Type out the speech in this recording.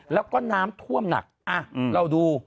แล้วก็น้ำท่วมหนักเราดู